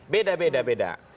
beda beda beda